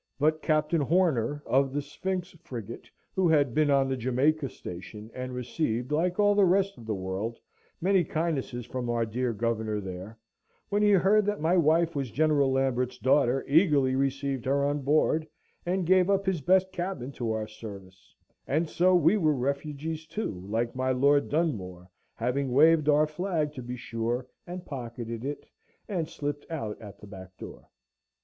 But Captain Horner of the Sphinx frigate, who had been on the Jamaica station, and received, like all the rest of the world, many kindnesses from our dear Governor there, when he heard that my wife was General Lambert's daughter, eagerly received her on board, and gave up his best cabin to our service; and so we were refugees, too, like my Lord Dunmore, having waved our flag, to be sure, and pocketed it, and slipped out at the back door.